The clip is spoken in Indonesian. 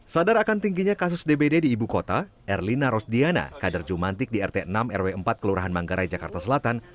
sadar akan tingginya kasus dbd di ibu kota erlina rosdiana kader jumantik di rt enam rw empat kelurahan manggarai jakarta selatan